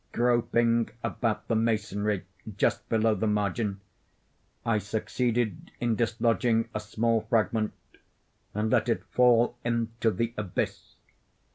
Groping about the masonry just below the margin, I succeeded in dislodging a small fragment, and let it fall into the abyss.